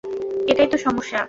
এটাই তো সমস্যা।